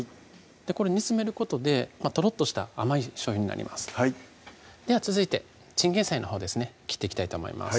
これ煮つめることでとろっとした甘いしょうゆになりますでは続いてチンゲン菜のほうですね切っていきたいと思います